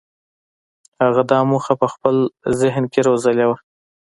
هغه دا موخه په خپل ذهن کې روزلې وه.